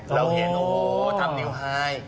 เราเห็นโอ้โหทำนิวไฮ